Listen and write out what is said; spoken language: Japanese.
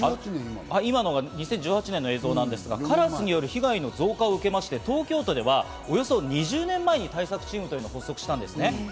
カラスによる被害の増加を受けまして東京都ではおよそ２０年前に対策チームを発足したんです。